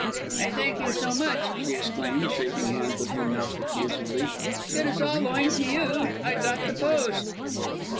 "I thank you so much!" she exclaimed, shaking hands with him most effusively. "It is all owing to you I got the post."